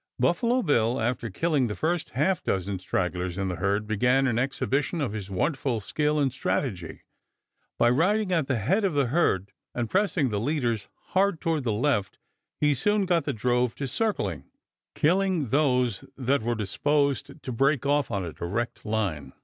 Buffalo Bill, after killing the first half dozen stragglers in the herd, began an exhibition of his wonderful skill and strategy; by riding at the head of the herd and pressing the leaders hard toward the left, he soon got the drove to circling, killing those that were disposed to break off on a direct line.